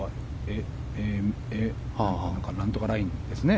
何とかラインですね。